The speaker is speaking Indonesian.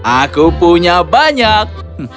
aku punya banyak